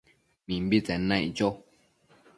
Mimbitsen naic cho